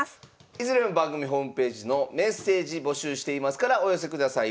いずれも番組ホームページの「メッセージ募集しています」からお寄せください。